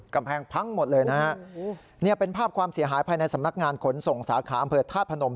กำแพงพังหมดเลยนะฮะเนี่ยเป็นภาพความเสียหายภายในสำนักงานขนส่งสาขาอำเภอธาตุพนม